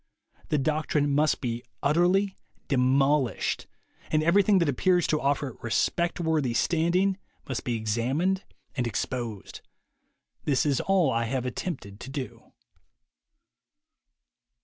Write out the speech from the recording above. The doctrine must be utterly demolished, and every thing that appears to offer it respectworthy standing must be examined and exposed. This is all I have attempted to do.